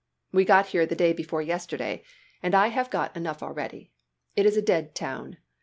We got here the day before yesterday and I have got enough already. It is a dead town.